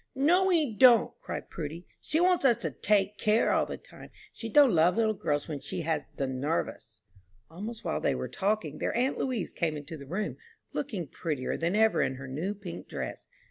"No, we don't," cried Prudy; "she wants us to 'take care' all the time. She don't love little girls when she has 'the nervous.'" Almost while they were talking, their aunt Louise came into the room, looking prettier than ever in her new pink dress.